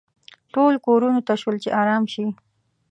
ټول کورونو ته شول چې ارام شي.